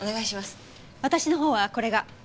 私の方はこれが。